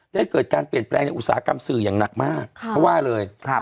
เกิดการเปลี่ยนแปลงในอุตสาหกรรมสื่ออย่างหนักมากเขาว่าเลย